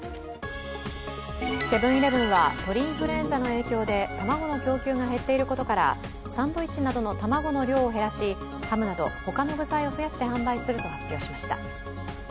セブン−イレブンは鳥インフルエンザの影響で卵の供給が減っていることからサンドイッチなどの卵の量を減らしハムなど他の具材を増やして販売すると発表しました。